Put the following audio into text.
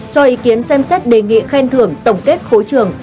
cho ý kiến xem xét đề nghị khen thưởng tổng kết khối trường